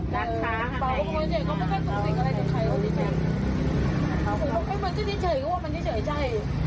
ศาหะออกใหม่น่าอุ้ยคือที่จ๋ยเจ๋ยก็ว่ามันจ๋ยเจ๋ยใจ